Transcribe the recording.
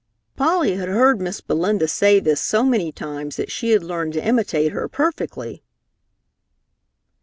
Polly had heard Miss Belinda say this so many times that she had learned to imitate her perfectly.